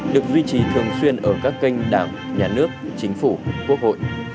được duy trì thường xuyên ở các kênh đảng nhà nước chính phủ quốc hội